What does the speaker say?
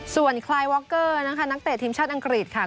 ส่วนคลายวอคเกอร์นะคะนักเตะทีมชาติอังกฤษค่ะ